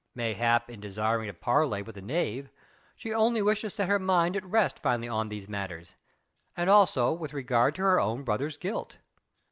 Mayhap in desiring to parley with the knave, she only wished to set her mind at rest finally on these matters, and also with regard to her own brother's guilt.